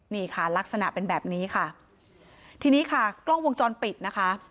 นี่ค่ะลักษณะเป็นแบบนี้ค่ะทีนี้ค่ะกล้องวงจรปิดนะคะ